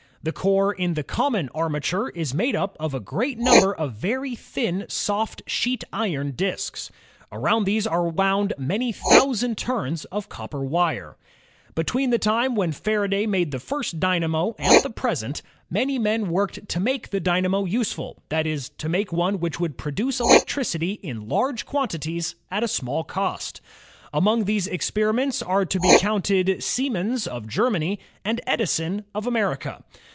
The core in the common armature is made up of a great number of very thin soft sheet iron disks. Around these are wound many thousand turns of copper wire. ELECTRIC ENGINE AND ELECTRIC LOCOMOTIVE 83 Between the time when Faraday made the first d3niamo and the present, many men worked to make the dynamo useful, that is, to make one which would produce elec tricity in large quantities and at a small cost. Among these experimenters are to be counted Siemens of Germany, and Edison of America.